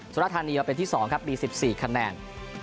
สุรทานีเอาไปที่๒ครับมี๑๔คะแนน